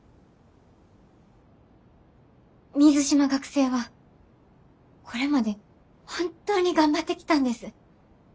水島学生はこれまで本当に頑張ってきたんです。